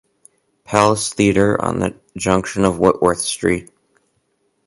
Palace Theatre on the junction of Whitworth Street.